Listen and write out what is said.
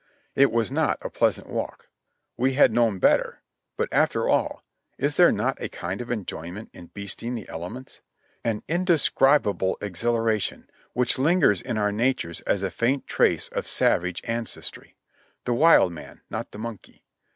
It was not a pleasant walk, — we had known better, — but after all, is there not a kind of enjoyment in breasting the elements? An indescribable exhilaration, which hngers in our natures as a faint trace of savage ancestry, — the wild man, not the monkey.